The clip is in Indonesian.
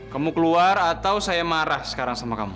kamu keluar atau saya marah sekarang sama kamu